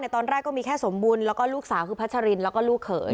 ตอนแรกก็มีแค่สมบุญแล้วก็ลูกสาวคือพัชรินแล้วก็ลูกเขย